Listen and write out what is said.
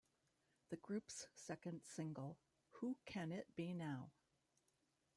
The group's second single, Who Can It Be Now?